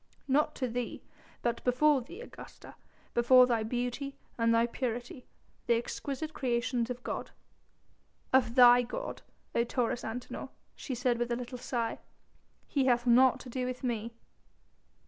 "Not to thee, but before thee, Augusta; before thy beauty and thy purity, the exquisite creations of God." "Of thy God, O Taurus Antinor," she said with a little sigh. "He hath naught to do with me."